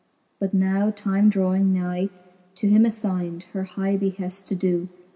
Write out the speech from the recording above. But now time drawing ny. To him afynd, her high beheaft to doo.